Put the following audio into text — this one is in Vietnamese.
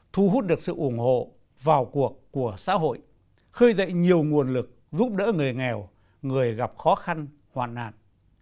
thu hút được sự ủng hộ vào cuộc của xã hội khơi dậy nhiều nguồn lực giúp đỡ người nghèo người gặp khó khăn hoàn nạn